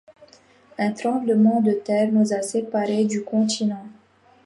Un tremblement de terre nous a séparés du continent...